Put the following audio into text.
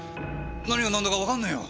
何が何だかわかんねえよ！